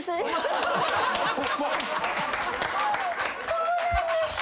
そうなんですか！？